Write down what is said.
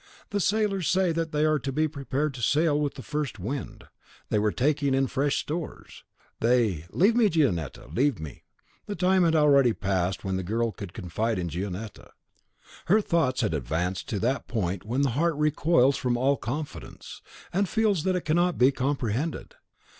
The sailors say that they are to be prepared to sail with the first wind; they were taking in fresh stores. They " "Leave me, Gionetta! Leave me!" The time had already passed when the girl could confide in Gionetta. Her thoughts had advanced to that point when the heart recoils from all confidence, and feels that it cannot be comprehended.